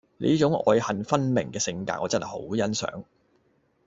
你呢種愛恨分明嘅性格我真係好欣賞